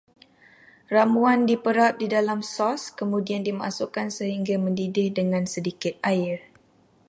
Ramuan diperap di dalam sos, kemudian dimasukkan sehingga mendidih dengan sedikit air